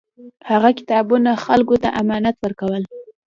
هغه کتابونه خلکو ته امانت ورکول.